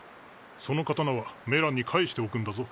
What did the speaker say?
その刀はメランに返しておくんだぞ。